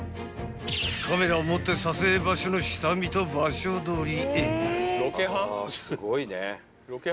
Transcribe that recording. ［カメラを持って撮影場所の下見と場所取りへ］